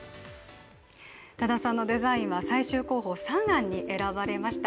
多田さんのデザインは最終候補３案に選ばれました。